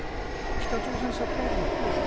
北朝鮮サプライズも含めて。